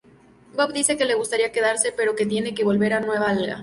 Bob dice que le gustaría quedarse, pero que tiene que volver a Nueva Alga.